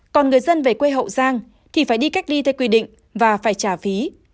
còn người dân về quê hậu giang thì phải đi cách ly theo quy định và phải trả phí